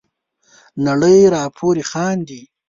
نړۍ را پوري خاندي.